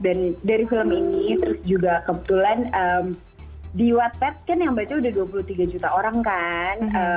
dan dari film ini terus juga kebetulan di what part kan yang baca udah dua puluh tiga juta orang kan